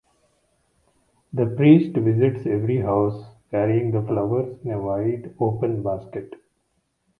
The priest visits every house, carrying the flowers in a wide open basket.